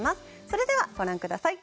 それでは、ご覧ください。